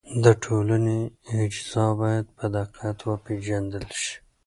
د ټولنې اجزا باید په دقت وپېژندل شي.